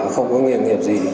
không có nghiền nghiệp gì